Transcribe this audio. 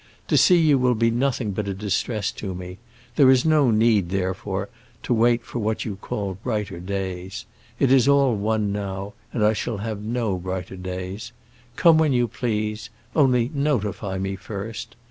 To see you will be nothing but a distress to me; there is no need, therefore, to wait for what you call brighter days. It is all one now, and I shall have no brighter days. Come when you please; only notify me first.